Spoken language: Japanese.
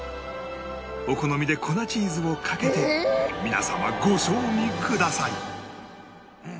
お好みで粉チーズをかけて皆様ご賞味ください